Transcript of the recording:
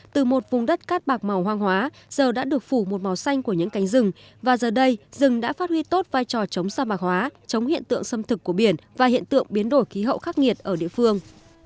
từ một vùng đất cát bạc màu hoang hóa giờ đã được phủ một màu xanh của những cánh rừng và giờ đây rừng đã phát huy tốt vai trò chống sa mạc hóa chống hiện tượng xâm thực của biển và hiện tượng biến đổi khí hậu khắc nghiệt ở địa phương